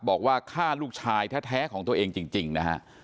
บอกว่าฆ่าลูกชายแท้ของตัวเองจริงนะฮะ